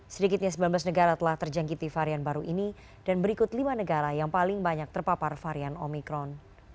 sedikitnya sembilan belas negara telah terjangkiti varian baru ini dan berikut lima negara yang paling banyak terpapar varian omikron